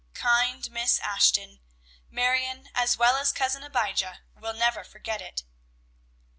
Kind Miss Ashton! Marion, as well as Cousin Abijah, will never forget it.